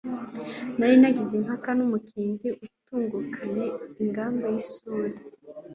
Nari nagiye impaka n'umukinzi utungukanye ingabo y'isuli